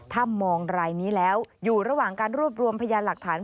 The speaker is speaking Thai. ถ้ามองรายนี้แล้วอยู่ระหว่างการรวบรวมพยานหลักฐาน